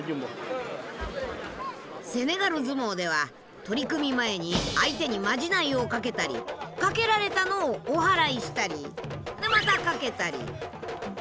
セネガル相撲では取組前に相手にまじないをかけたりかけられたのをおはらいしたりでまたかけたりでまたかけられたり。